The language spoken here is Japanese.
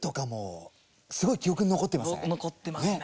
何か残ってますね。